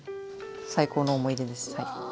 最高の思い出です。